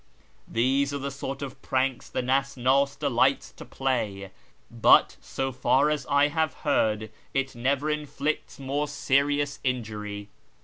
These are the sort of pranks the Nasnas delights to play ; but, so far as I have heard, it never inflicts more serious injury."